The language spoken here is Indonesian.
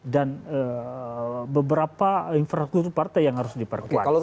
dan beberapa infrastruktur partai yang harus diperkuat